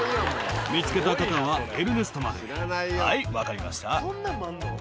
見つけた方はエルネストまで、はい、分かりました。